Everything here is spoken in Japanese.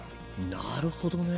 なるほどね。